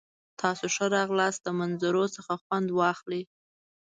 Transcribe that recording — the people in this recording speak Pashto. تاسو ښه راغلاست. د منظرو څخه خوند واخلئ!